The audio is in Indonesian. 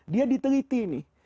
dia diteliti nih